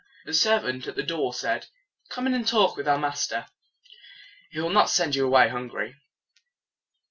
The servant at the door said, "Come in and talk with our master. He will not send you away hungry."